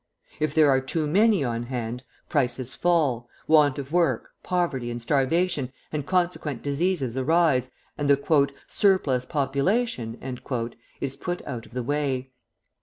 If there are too many on hand, prices fall, want of work, poverty, and starvation, and consequent diseases arise, and the "surplus population" is put out of the way.